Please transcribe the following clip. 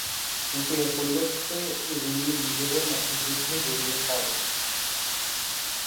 কিন্তু এর পরিবর্তে এগুলি নিজেদের মধ্যে যুদ্ধে জড়িয়ে পড়ে।